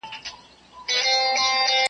طبیب غوښي وې د چرګ ور فرمایلي .